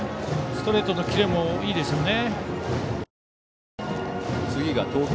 ストレートのキレもいいですよね。